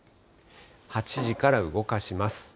８時から動かします。